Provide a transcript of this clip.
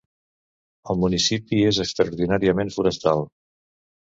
El municipi és extraordinàriament forestal.